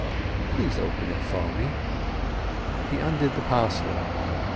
Please open it for me!" He undid the parcel.